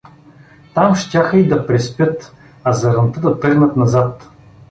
Там щяха и да преспят, а заранта да тръгнат назад.